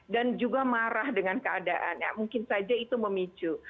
dan juga marah dengan keadaan ya mungkin saja itu memicu